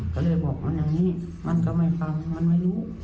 ก็เลยบอกมันอย่างนี้มันก็ไม่ฟังมันไม่รู้